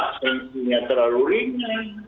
isinya terlalu ringan